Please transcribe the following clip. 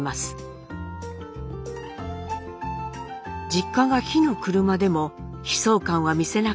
実家が火の車でも悲壮感は見せなかったといいます。